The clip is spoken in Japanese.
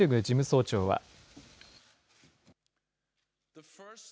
事務総長は。